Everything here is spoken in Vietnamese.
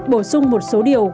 bổ sung một số điều